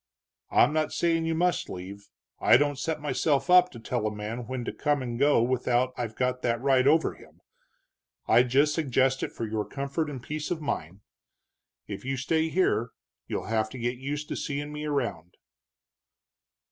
I'm not saying you must leave, I don't set myself up to tell a man when to come and go without I've got that right over him. I just suggest it for your comfort and peace of mind. If you stay here you'll have to get used to seeing me around."